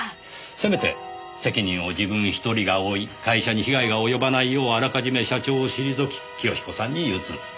せめて責任を自分１人が負い会社に被害が及ばないようあらかじめ社長を退き清彦さんに譲った。